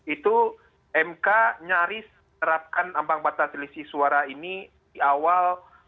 itu mk nyaris terapkan ambang batas selisih suara ini di awal